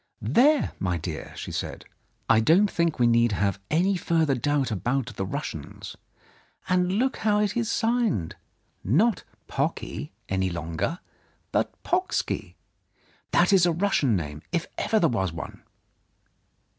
"There, my dear," she said, "I don't think we need have any further doubt about the Russians. And look how it is signed — not Pocky any longer, but Pocksky. That is a Russian name, if ever there was one